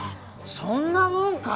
そんなもんかねえ？